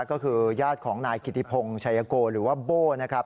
ก็คือญาติของนายกิติพงศ์ชัยโกหรือว่าโบ้นะครับ